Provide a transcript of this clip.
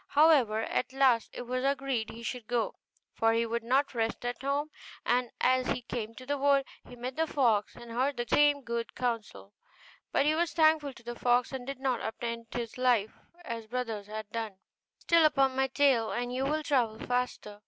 However, at last it was agreed he should go, for he would not rest at home; and as he came to the wood, he met the fox, and heard the same good counsel. But he was thankful to the fox, and did not attempt his life as his brothers had done; so the fox said, 'Sit upon my tail, and you will travel faster.